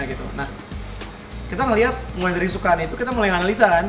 nah kita melihat mulai dari sukaan itu kita mulai analisa kan